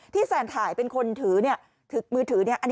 ที่แซนถ่ายเป็นคนถือเนี่ยมือถือเนี่ย